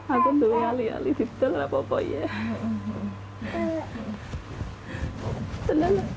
atau doyali alis alis telah popo ya